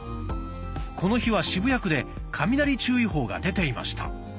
この日は渋谷区で「雷注意報」が出ていました。